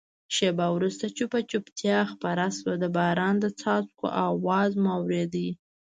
شېبه وروسته چوپه چوپتیا خپره شوه، د باران د څاڅکو آواز مو اورېده.